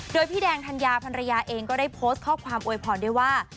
โดยพี่แดงธัญญาภรรยาเองก็ได้โพสต์ข้อความโวยพรได้ว่า